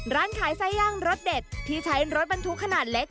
ร้านขายไส้ย่างรสเด็ดที่ใช้รถบรรทุกขนาดเล็ก